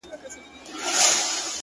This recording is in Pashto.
• پرون مي ستا په ياد كي شپه رڼه كړه؛